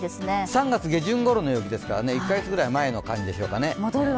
３月下旬ごろの陽気ですから１か月ぐらい前の感じでしょうかね